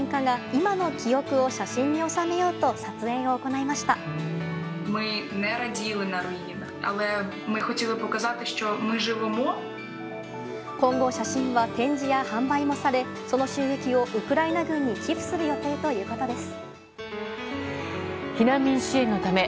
今後、写真は展示や販売もされその収益を、ウクライナ軍に寄付する予定ということです。